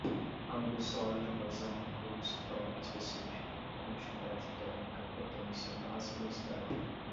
ângulo sólido, vazão, fluxo, torque, específico, condutividade térmica, potência, massa, densidade